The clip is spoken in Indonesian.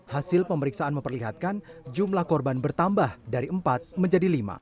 hasil pemeriksaan memperlihatkan jumlah korban bertambah dari empat menjadi lima